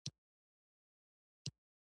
دا د انسانیت د نږدېوالي نښه ده.